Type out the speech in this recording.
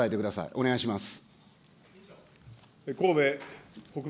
お願いします。